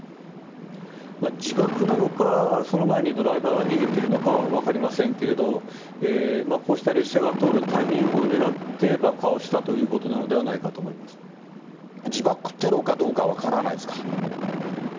自爆なのか、その前にドライバーが逃げているのかは分かりませんけれど、こうした列車が通るタイミングを狙って爆破をしたということなの自爆テロかどうかは分からないですか。